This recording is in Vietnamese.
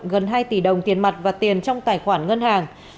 gần hai tỷ đồng tiền mặt và tiền trong tài khoản ngân hàng